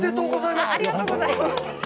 ありがとうございます。